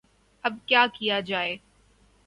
اب کیا کیا جائے؟